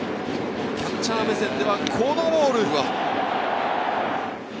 ピッチャー目線ではこのボールです。